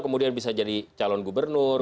kemudian bisa jadi calon gubernur